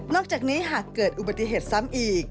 อกจากนี้หากเกิดอุบัติเหตุซ้ำอีก